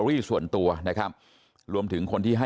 ขอบคุณเลยนะฮะคุณแพทองธานิปรบมือขอบคุณเลยนะฮะ